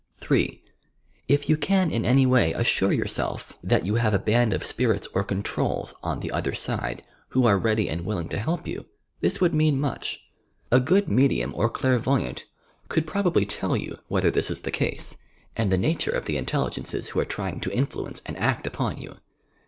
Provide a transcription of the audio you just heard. (3) If you can in any way assure yourself that you YOUR PSYCHIC POWERS have a band of spirits or controls "on the other side" who are ready and willing to help you, this wouM mean much. A good medium or clairvoyant could probably tell you whether this is the case, and the nature of the iatelligences who are trying to influence and act upon you.